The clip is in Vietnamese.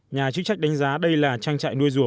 nhà chức trách đánh giá đây là trang trại nuôi dù